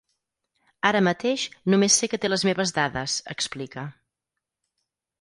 Ara mateix només sé que té les meves dades, explica.